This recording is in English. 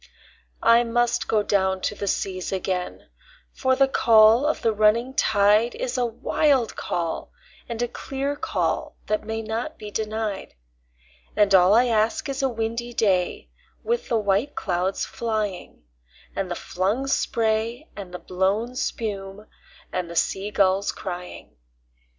I must down go to the seas again, for the call of the running tide Is a wild call and a clear call that may not be denied; And all I ask is a windy day with the white clouds flying, And the flung spray and the blown spume, and the sea gulls crying.